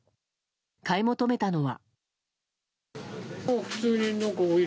買い求めたのは。